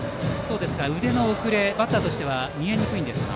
腕の遅れ、バッターとしては見えにくいんですか。